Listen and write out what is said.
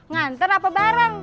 nganter apa bareng